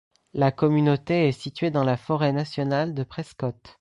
La communauté est située dans la forêt nationale de Prescott.